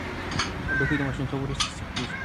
هډوکي د ماشومتوب وروسته سختېږي.